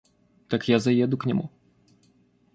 Так я заеду к нему.